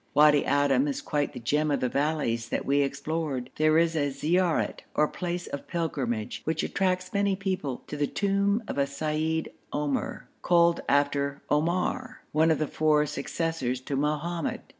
Wadi Adim is quite the gem of the valleys that we explored. There is a ziaret or place of pilgrimage, which attracts many people, to the tomb of a seyyid Omr, called after Omar, one of the four successors to Mohammed.